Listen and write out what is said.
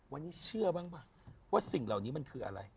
วันนี้เชื่อบ้างป่ะว่าสิ่งเหล่านี้มันคืออะไร